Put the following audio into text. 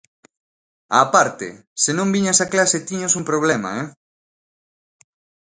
Á parte, se non viñas a clase tiñas un problema, eh.